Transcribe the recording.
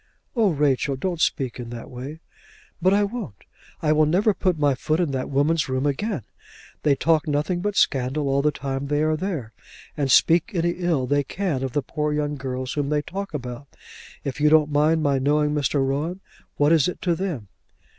"Oh Rachel, don't speak in that way." "But I won't. I will never put my foot in that woman's room again. They talk nothing but scandal all the time they are there, and speak any ill they can of the poor young girls whom they talk about. If you don't mind my knowing Mr. Rowan, what is it to them?"